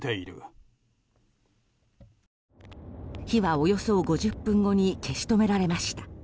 火はおよそ５０分後に消し止められました。